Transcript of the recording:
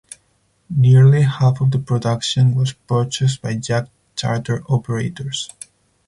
Nearly half of the production was purchased by yacht charter operators.